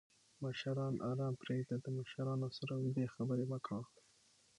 مشران آرام پریږده! د مشرانو سره اوږدې خبرې مه کوه